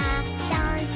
ダンス！